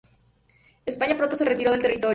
España pronto se retiró del territorio.